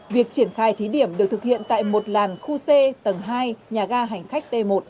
việc triển khai thí điểm được thực hiện tại một làn khu c tầng hai nhà ga hành khách t một